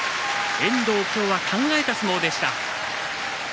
今日は考えた相撲でした。